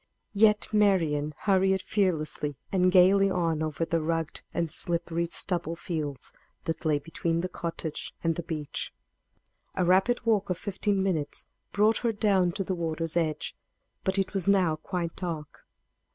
Yet Marian hurried fearlessly and gayly on over the rugged and slippery stubble fields that lay between the cottage and the beach. A rapid walk of fifteen minutes brought her down to the water's edge. But it was now quite dark.